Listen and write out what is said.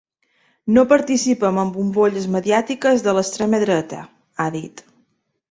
“No participem en bombolles mediàtiques de l’extrema dreta”, ha dit.